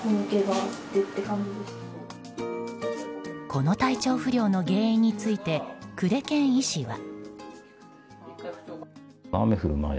この体調不良の原因について久手堅医師は。